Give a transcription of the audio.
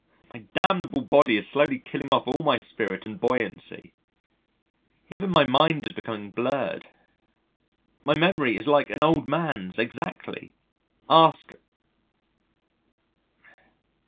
My damnable body is slowly killing off all my spirit and buoyancy. Even my mind is becoming blurred. My memory is like an old man's exactly. (Ask